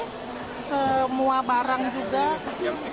tak ayal banyak pembeli cabai yang gagal panen akibat cuaca ekstrim